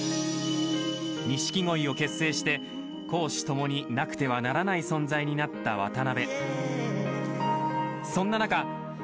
［錦鯉を結成して公私ともになくてはならない存在になった渡辺］